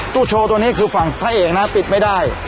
ตู้โชว์ตัวนี้คือฝั่งพระเอกนะปิดไม่ได้